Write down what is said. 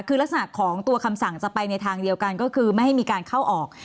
คือลักษณะของตัวคำสั่งจะไปในทางเดียวกันก็คือไม่ให้มีการเข้าออก